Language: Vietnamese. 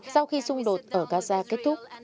sau khi xung đột ở gaza kết thúc